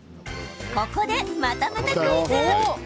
ここで、またまたクイズ。